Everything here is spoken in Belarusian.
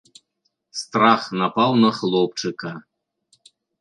Страх напаў на хлопчыка.